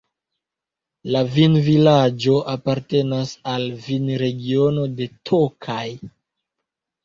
La vinvilaĝo apartenas al vinregiono de Tokaj.